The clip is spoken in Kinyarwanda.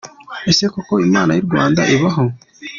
Ese koko Imana y’I Rwanda ibaho ?